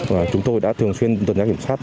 và chúng tôi đã thường xuyên tuần tra kiểm soát